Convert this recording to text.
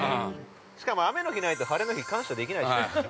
しかも雨の日ないと晴れの日感謝できない。